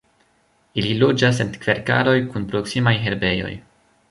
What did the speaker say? Ili loĝas en kverkaroj kun proksimaj herbejoj.